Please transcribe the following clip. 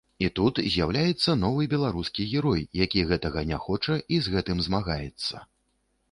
І тут з'яўляецца новы беларускі герой, які гэтага не хоча і з гэтым змагаецца.